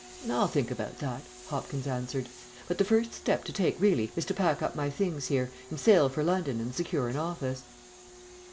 "I'll think about that," Hopkins answered; "but the first step to take, really, is to pack up my things here, and sail for London and secure an office."